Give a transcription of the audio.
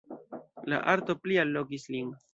La arto pli allogis lin.